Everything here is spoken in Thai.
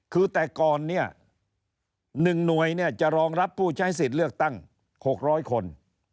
คือแต่ก่อนเนี่ย๑หน่วยเนี่ยจะรองรับผู้ใช้สิทธิ์เลือกตั้ง๖๐๐คน